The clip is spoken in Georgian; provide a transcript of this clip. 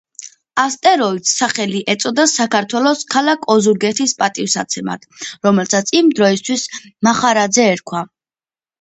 ასტეროიდს სახელი ეწოდა საქართველოს ქალაქ ოზურგეთის პატივსაცემად, რომელსაც იმ დროისთვის მახარაძე ერქვა.